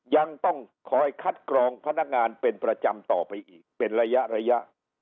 ยังต้องคอยคัดกรองพนักงานเป็นประจำต่อไปอีกเป็นระยะระยะ